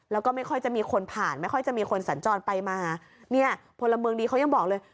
แล้วก็ไม่ค่อยจะมีคนผ่านไม่ค่อยจะมีคนสัญจรไปมาเนี่ยพลเมืองดีเขายังบอกเลย